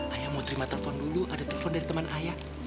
ayah mau terima telepon dulu ada telepon dari teman ayah